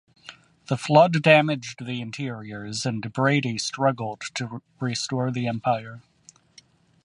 The flood damaged the interiors and Brady struggled to restore the Empire.